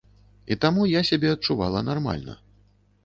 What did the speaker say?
І таму я сябе адчувала нармальна.